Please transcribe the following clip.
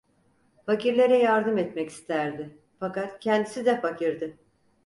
Fakirlere yardım etmek isterdi, fakat kendisi de fakirdi.